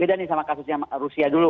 beda nih sama kasusnya rusia dulu